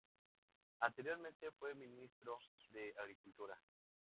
Anteriormente fue Ministro de Agricultura.